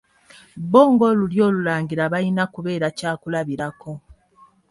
Bbo ng'Olulyo Olulangira balina kubeera kyakulabirako.